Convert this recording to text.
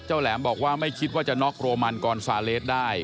แหลมบอกว่าไม่คิดว่าจะน็อกโรมันกรซาเลสได้